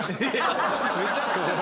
めちゃくちゃ。